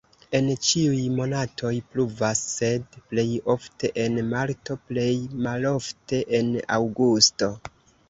En ĉiuj monatoj pluvas, sed plej ofte en marto, plej malofte en aŭgusto.